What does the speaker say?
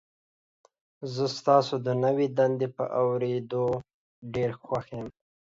زه ستاسو د نوي دندې په اوریدو ډیر خوښ یم.